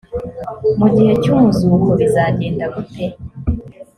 mu gihe cy’umuzuko bizagenda gute?